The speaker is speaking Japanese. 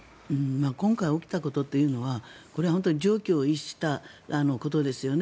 今回起きたことというのはこれは本当に常軌を逸したことですよね。